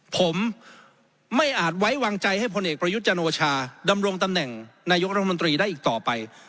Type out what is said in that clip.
ผมไม่อาจไว้วางใจให้พลเอกประยุทธ์จันโอชาดำรงตำแหน่งนายกรัฐมนตรีได้อีกต่อไป